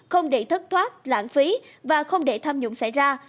không để thất thoát lãng phí và không để tham nhũng xảy ra